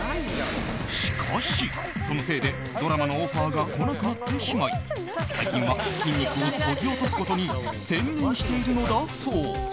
しかし、そのせいでドラマのオファーが来なくなってしまい最近は、筋肉をそぎ落とすことに専念しているのだそう。